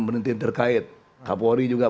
menteri terkait kapuari juga